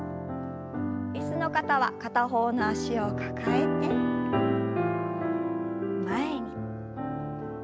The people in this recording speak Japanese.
椅子の方は片方の脚を抱えて前に。